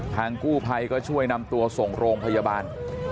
กู้ภัยก็ช่วยนำตัวส่งโรงพยาบาล